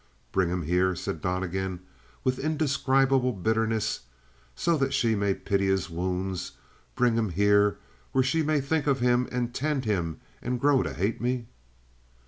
"Bring him here," said Donnegan with indescribable bitterness, "so that she may pity his wounds? Bring him here where she may think of him and tend him and grow to hate me?"